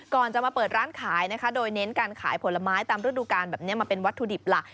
ก่อนจะมาเปิดร้านขายนะคะโดยเน้นการขายผลไม้ตามฤดูการแบบนี้มาเป็นวัตถุดิบหลัก